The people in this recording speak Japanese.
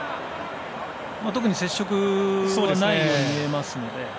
特に接触はないように見えますので。